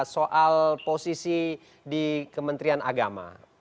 soal posisi di kementerian agama